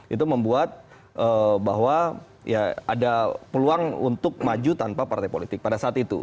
itu membuat bahwa ya ada peluang untuk maju tanpa partai politik pada saat itu